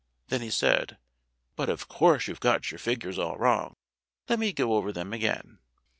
Then he said, "But of course you've got your figures all wrong. Let me go over them again."